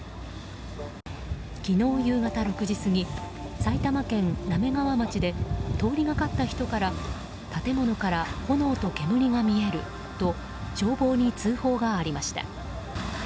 昨日夕方６時過ぎ埼玉県滑川町で通りがかった人から建物から炎と煙が見えると消防に通報がありました。